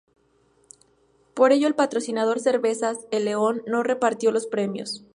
Por ello el patrocinador Cervezas El León no repartió los premios.